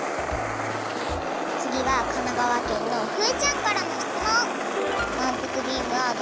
つぎは神奈川県のふーちゃんからのしつもん。